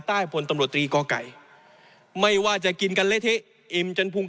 ใต้ผนตัมรวตรีก้อไก่ไม่ว่าจะกินกันเละเทะเอ็มจนพุง